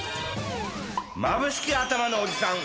まぶしきあたまのおじさん！